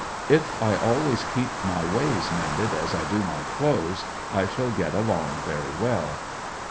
If I always keep my ways men ded as I do my clothes, I shall get along very well.